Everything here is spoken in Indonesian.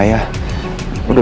udah bikin aku sakit